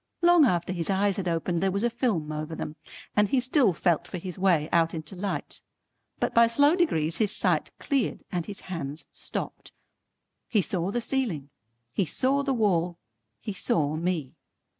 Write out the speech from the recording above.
Long after his eyes had opened, there was a film over them and he still felt for his way out into light. But by slow degrees his sight cleared and his hands stopped. He saw the ceiling, he saw the wall, he saw me.